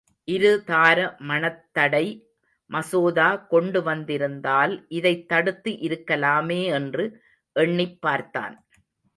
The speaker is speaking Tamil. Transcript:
இருதார மணத்தடை மசோதா கொண்டு வந்திருந்தால் இதைத் தடுத்து இருக்கலாமே என்று எண்ணிப் பார்த்தான்.